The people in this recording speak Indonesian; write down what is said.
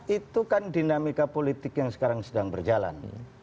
itu kan dinamika politik yang sekarang sedang berjalan